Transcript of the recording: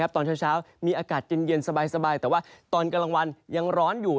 ตอนเช้ามีอากาศเย็นสบายแต่ว่าตอนกลางวันยังร้อนอยู่